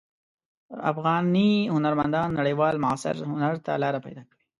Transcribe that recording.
افغاني هنرمندان نړیوال معاصر هنر ته لاره پیدا کوي.